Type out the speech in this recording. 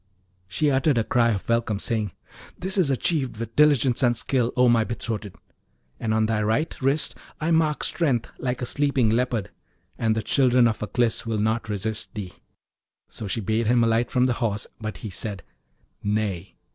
She uttered a cry of welcome, saying, 'This is achieved with diligence and skill, O my betrothed! and on thy right wrist I mark strength like a sleeping leopard, and the children of Aklis will not resist thee.' So she bade him alight from the Horse, but he said, 'Nay.'